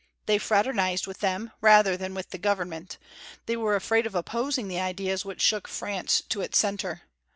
They fraternized with them, rather than with the Government; they were afraid of opposing the ideas which shook France to its centre.